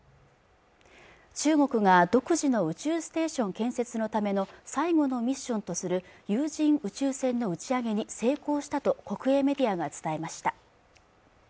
中国が独自の宇宙ステーション建設のための最後のミッションとする有人宇宙船の打ち上げに成功したと国営メディアが伝えました